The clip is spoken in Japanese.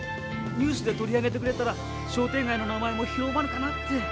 ニュースで取り上げてくれたら商店がいの名前も広まるかなって。